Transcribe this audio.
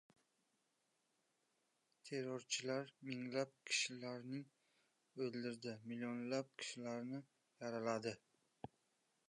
Terrorchilar minglab kishilarni o‘ldirdi, millionlab kishilarni yaraladi.